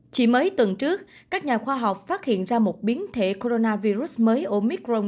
chỉ mới tuần trước các nhà khoa học phát hiện ra một biến thể coronavirus mới omicron